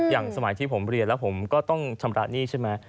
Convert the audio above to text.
สมัยที่ผมเรียนแล้วผมก็ต้องชำระหนี้ใช่ไหม